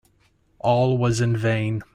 All was in vain.